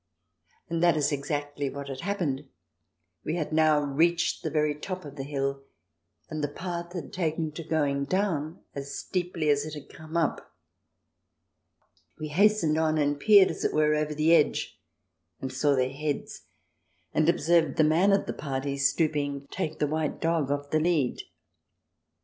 And that is exactly what had happened. We had now reached the very top of the hill, and the path had taken to going down as steeply as it had come up. We hastened on, and peered, as it were, over the edge and saw their heads, and observed the man of the party, stooping, take the white dog off the lead.